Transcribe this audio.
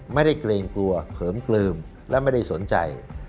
ไม่ได้เกรงกลัวเผิมเกลิมและไม่ได้สนใจ